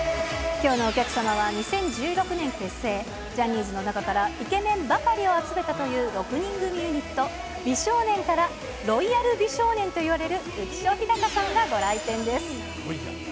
きょうのお客様は２０１６年結成、ジャニーズの中からイケメンばかりを集めたという６人組ユニット、美少年から、ロイヤル美少年といわれる浮所飛貴さんがご来店です。